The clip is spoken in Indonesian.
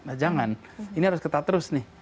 nah jangan ini harus ketat terus nih